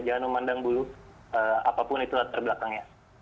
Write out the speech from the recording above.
jangan memandang bulu apapun itu latar belakangnya